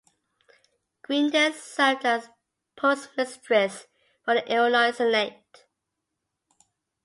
Green then served as postmistress for the Illinois Senate.